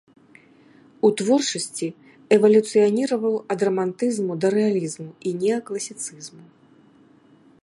У творчасці эвалюцыяніраваў ад рамантызму да рэалізму і неакласіцызму.